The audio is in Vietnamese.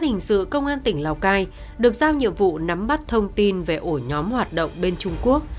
hình sự công an tỉnh lào cai được giao nhiệm vụ nắm bắt thông tin về ổ nhóm hoạt động bên trung quốc